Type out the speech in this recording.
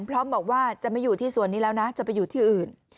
พร้อมบอกว่าจะไม่อยู่ที่ส่วนนี้แล้วนะจะไปอยู่ที่อื่น